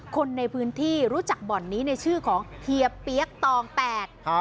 คนในพื้นที่รู้จักบ่อนนี้ในชื่อของเฮียเปี๊ยกตองแปด